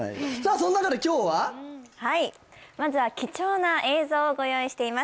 そん中で今日ははいまずは貴重な映像をご用意しています